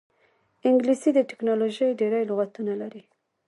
انګلیسي د ټیکنالوژۍ ډېری لغتونه لري